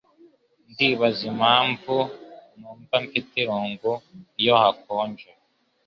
Ndibaza impamvu numva mfite irungu iyo hakonje